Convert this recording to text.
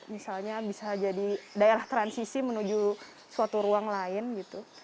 misalnya bisa jadi daerah transisi menuju suatu ruang lain gitu